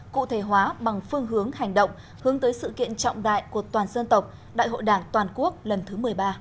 cụ thể hóa bằng phương hướng hành động hướng tới sự kiện trọng đại của toàn dân tộc đại hội đảng toàn quốc lần thứ một mươi ba